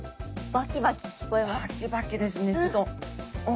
バキバキですね。